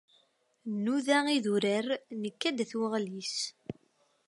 Nnuda idurar, nekka-d at Weɣlis.